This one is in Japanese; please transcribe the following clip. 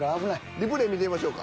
リプレイ見てみましょうか。